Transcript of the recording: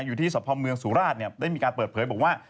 อยู่ที่สะพอเมืองสุราชได้มีการเปิดเผยบอกว่า